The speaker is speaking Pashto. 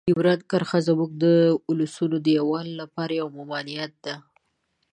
ډیورنډ کرښه زموږ د ولسونو د یووالي لپاره یوه ممانعت ده.